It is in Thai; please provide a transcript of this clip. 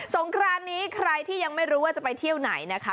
งครานนี้ใครที่ยังไม่รู้ว่าจะไปเที่ยวไหนนะคะ